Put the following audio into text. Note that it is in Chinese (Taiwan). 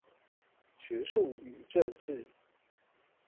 學術與政治